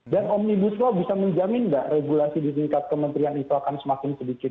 dan omnibus law bisa menjamin nggak regulasi di tingkat kementerian itu akan semakin sedikit